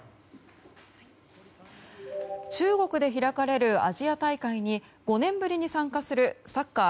中国で開かれるアジア大会に５年ぶりに参加するサッカー